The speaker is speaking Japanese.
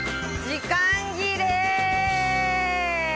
時間切れ！